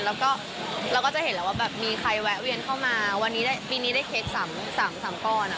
แล้วก็เราก็จะเห็นแล้วว่าแบบมีใครแวะเวียนเข้ามาวันนี้ปีนี้ได้เค้ก๓ก้อน